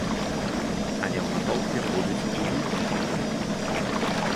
Але ў натоўпе будуць і іншыя людзі.